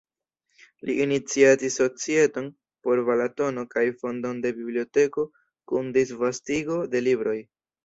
Li iniciatis societon por Balatono kaj fondon de biblioteko kun disvastigo de libroj.